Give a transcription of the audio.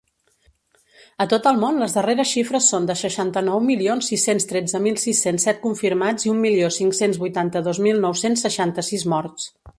A tot el món, les darreres xifres són de seixanta-nou milions sis-cents tretze mil sis-cents set confirmats i un milió cinc-cents vuitanta-dos mil nou-cents seixanta-sis morts.